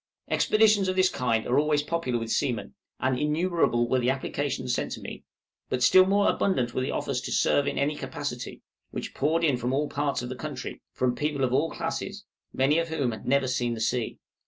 Expeditions of this kind are always popular with seamen, and innumerable were the applications sent to me; but still more abundant were the offers to "serve in any capacity" which poured in from all parts of the country, from people of all classes, many of whom had never seen the sea.